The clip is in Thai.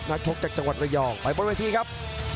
นักทกจากจังหวัดระยองไปบนวิธีครับ